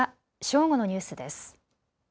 正午のニュースです。